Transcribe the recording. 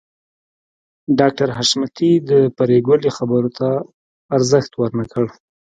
ډاکټر حشمتي د پريګلې خبرو ته ارزښت ورنکړ